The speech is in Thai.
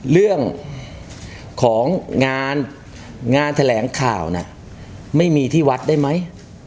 เรื่องของงานงานแถลงข่าวน่ะไม่มีที่วัดได้ไหม